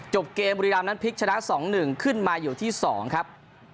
เกมบุรีรามนั้นพลิกชนะ๒๑ขึ้นมาอยู่ที่๒ครับ